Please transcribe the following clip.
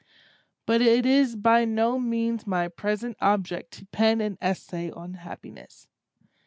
But it is by no means my present object to pen an essay on Happiness.